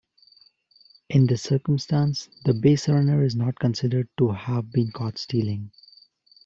In this circumstance, the baserunner is not considered to have been caught stealing.